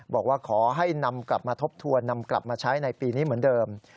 บอกว่าขอให้นำกลับมาทบทวนนำกลับมาใช้ในปีนี้เหมือนเดิม